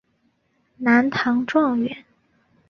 南唐状元。